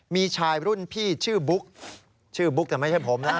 มีชายรุ่นพี่ชื่อบุ๊กชื่อบุ๊กแต่ไม่ใช่ผมนะ